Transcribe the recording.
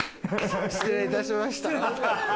失礼いたしました。